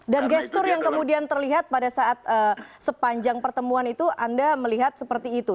dan gesture yang kemudian terlihat pada saat sepanjang pertemuan itu anda melihat seperti itu